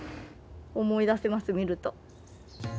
思い出せます、見ると。